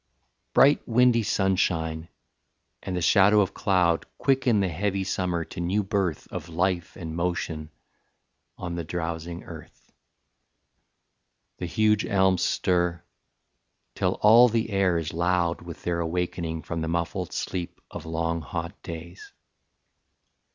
II. Bright windy sunshine and the shadow of cloud Quicken the heavy summer to new birth Of life and motion on the drowsing earth; The huge elms stir, till all the air is loud With their awakening from the muffled sleep Of long hot days.